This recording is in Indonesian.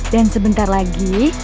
dan sebentar lagi